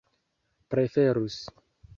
preferus